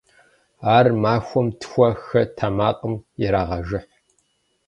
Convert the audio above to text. Ар махуэм тхуэ-хэ тэмакъым ирагъэжыхь.